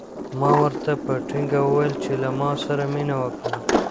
ما ورته په ټینګه وویل چې له ما سره مینه وکړه.